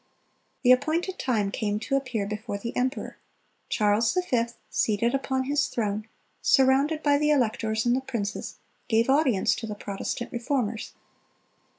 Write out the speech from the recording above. The appointed time came to appear before the emperor. Charles V., seated upon his throne, surrounded by the electors and the princes, gave audience to the Protestant Reformers.